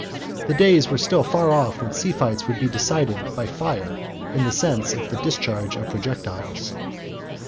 The days were still far off when sea fights would be decided by "fire," in the sense of the discharge of projectiles.